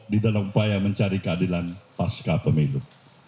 di dalam upaya mencari keadilan pasca pemilu